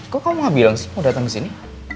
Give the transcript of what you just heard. kok kamu gak bilang sih mau dateng kesini